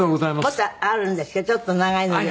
もっとあるんですけどちょっと長いので。